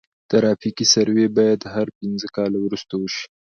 ترافیکي سروې باید هر پنځه کاله وروسته وشي